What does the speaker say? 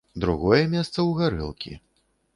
Другое месца ў гарэлкі.